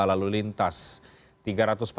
lalu lintas yang bersifat situasional